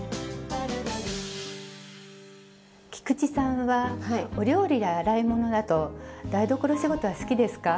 菊池さんはお料理や洗い物など台所仕事は好きですか？